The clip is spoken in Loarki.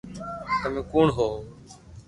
تمي ڪوڻ ھون